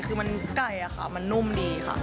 คือมันไก่อะค่ะมันนุ่มดีค่ะ